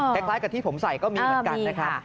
แต่คล้ายกับที่ผมใส่ก็มีเหมือนกัน